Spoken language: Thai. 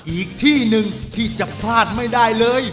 อีกที่หนึ่งที่จะพลาดไม่ได้เลย